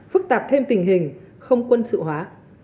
phức tạp thêm tình hình không quân sự hóa